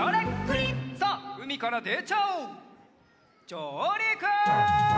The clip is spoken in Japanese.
じょうりく！